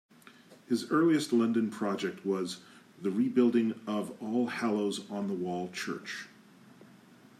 His earliest London project was the rebuilding of All Hallows-on-the-Wall Church.